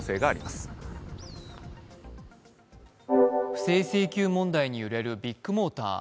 不正請求問題に揺れるビッグモーター。